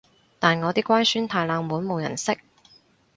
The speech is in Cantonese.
但我啲乖孫太冷門冇人識